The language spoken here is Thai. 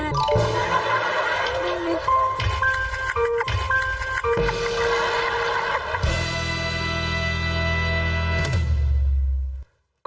น้องมีนมาก